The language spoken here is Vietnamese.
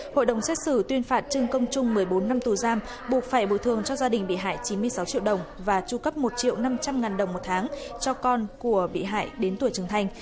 hội đồng xét xử tuyên phạt trương công trung một mươi bốn năm tù giam buộc phải bồi thường cho gia đình bị hại chín mươi sáu triệu đồng và tru cấp một triệu năm trăm linh ngàn đồng một tháng cho con của bị hại đến tuổi trưởng thành